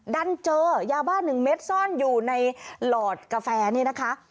ดันเจอยาบ้า๑เม็ดซ่อนอยู่ในหลอดกาแฟนี่นะคะ